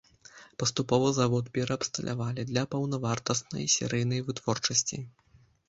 Паступова завод пераабсталявалі для паўнавартаснай серыйнай вытворчасці.